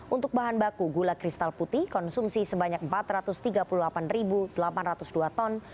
untuk bahan baku gula kristal putih konsumsi sebanyak empat ratus tiga puluh delapan delapan ratus dua ton